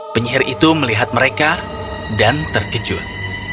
penyihir itu melihat mereka dan terkejut